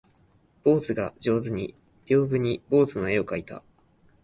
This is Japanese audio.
坊主が上手に屏風に坊主の絵を描いた